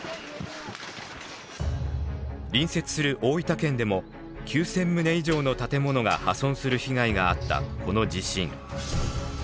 隣接する大分県でも９，０００棟以上の建物が破損する被害があったこの地震。